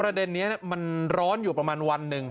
เด็นนี้มันร้อนอยู่ประมาณวันหนึ่ง